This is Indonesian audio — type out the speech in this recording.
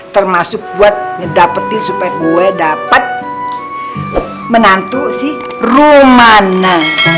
termasuk buat ngedapetin supaya gua dapat menantu si rumana